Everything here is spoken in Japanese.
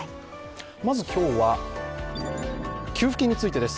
まず、今日は給付金についてです。